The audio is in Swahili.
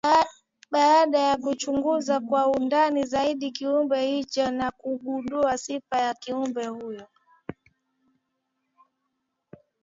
baada ya kuchunguza kwa undani zaidi Kiumbe hicho na kugundua sifa ya Kiumbe huyo